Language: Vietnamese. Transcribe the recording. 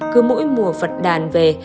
cứ mỗi mùa phật đàn về